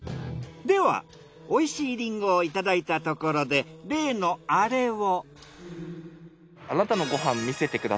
では美味しいリンゴをいただいたところで例のアレを。